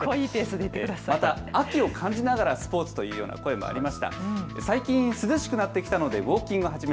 また、秋を感じながらスポーツというような声もありました。